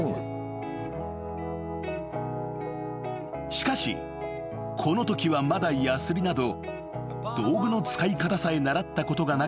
［しかしこのときはまだやすりなど道具の使い方さえ習ったことがなかった樹ちゃん］